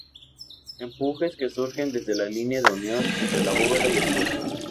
Empujes que surgen desde la línea de unión entre la bóveda y el muro.